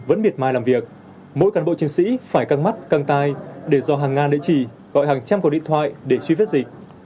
vẫn miệt mài làm việc mỗi cán bộ chiến sĩ phải căng mắt căng tay để do hàng ngàn địa chỉ gọi hàng trăm cuộc điện thoại để truy vết dịch